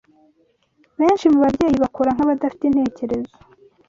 Benshi mu babyeyi bakora nk’abadafite intekerezo